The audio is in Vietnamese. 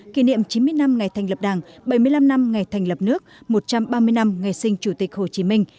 kỷ niệm chín mươi năm ngày thành lập đảng bảy mươi năm năm ngày thành lập nước một trăm ba mươi năm ngày sinh chủ tịch hồ chí minh